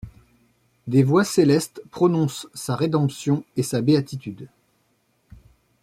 Des voix célestes prononcent sa rédemption et sa béatitude.